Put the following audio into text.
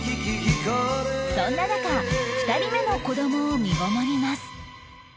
そんな中２人目の子どもを身ごもります